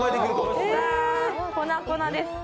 粉粉です。